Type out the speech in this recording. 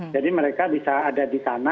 jadi mereka bisa ada di sana